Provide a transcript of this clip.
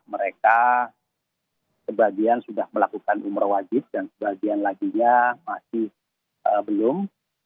mereka sebagian sudah melakukan umroh wajib dan sebagian laginya masih belum